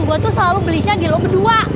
gue tuh selalu belinya di lo berdua